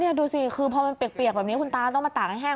นี่ดูสิคือพอมันเปียกแบบนี้คุณตาต้องมาตากให้แห้ง